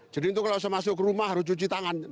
jeding itu kalau bisa masuk rumah harus cuci tangan